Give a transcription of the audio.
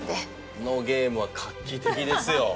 このゲームは画期的ですよ。